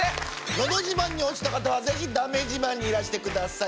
「のど自慢」に落ちた方は是非「だめ自慢」にいらしてください。